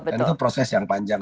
dan itu proses yang panjang